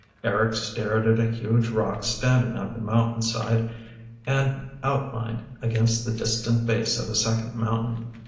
Eric stared at a huge rock stand ing on the mountainside and outlined against the distant base of a second mountain.